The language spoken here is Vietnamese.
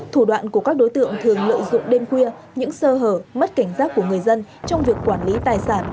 thủ đoạn của các đối tượng thường lợi dụng đêm khuya những sơ hở mất cảnh giác của người dân trong việc quản lý tài sản